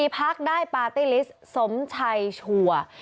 พักได้ปาร์ตี้ลิสต์สมชัยชัวร์